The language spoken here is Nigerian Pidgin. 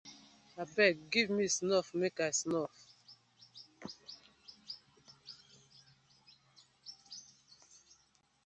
Abeg giv me snuff mek I snuff.